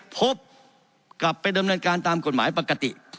พบกลับไปดำเนินการตามกฎหมายปกติ